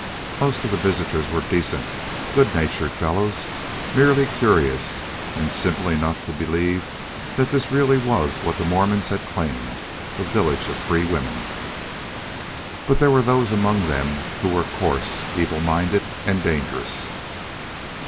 Most of the visitors were decent, good natured fellows, merely curious, and simple enough to believe that this really was what the Mormons had claimed a village of free women. But there were those among them who were coarse, evil minded, and dangerous.